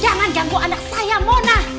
jangan janggu anak saya mona